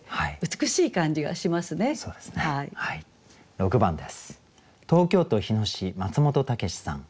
６番です。